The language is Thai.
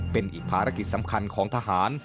เป็นอีกภารกิจสำคัญของทหาร